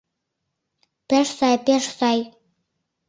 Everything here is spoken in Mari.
— Пеш сай, пеш сай.